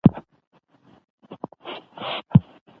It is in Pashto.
خو له ښځو سره يې چلن د خپل وخت د واکمن کلچر له مخې